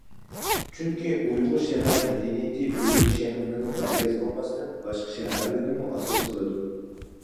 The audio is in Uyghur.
چۈنكى ئۇيغۇر شەھەر مەدەنىيىتى ئۈرۈمچى شەھىرىنىلا مەركەز قىلماستىن، باشقا شەھەرلەرنىمۇ ئاساس قىلىدۇ.